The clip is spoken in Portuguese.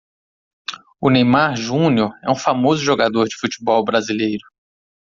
O Neymar Jr é um famoso jogador de futebol brasileiro.